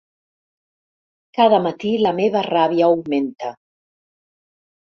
Cada matí la meva ràbia augmenta.